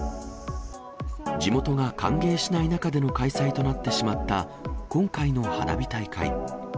地元が歓迎しない中での開催となってしまった今回の花火大会。